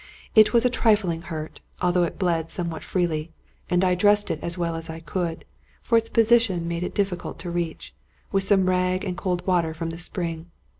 It was a trifling hurt, although it bled somewhat freely, and I dressed it as well as I could (for its position made it diffi cult to reach) with some rag and cold water from the spring.